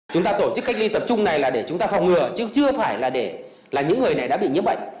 chúng ta tổ chức cách ly tập trung này là để chúng ta phòng ngừa chứ chưa phải là để là những người này đã bị nhiễm bệnh